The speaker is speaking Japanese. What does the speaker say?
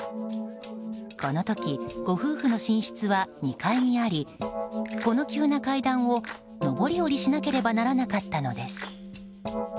この時、ご夫婦の寝室は２階にありこの急な階段を上り下りしなければならなかったのです。